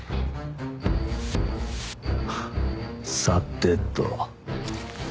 さてと。